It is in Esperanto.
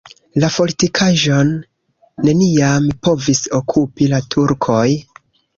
La fortikaĵon neniam povis okupi la turkoj.